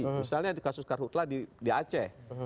misalnya di kasus karhutlah di aceh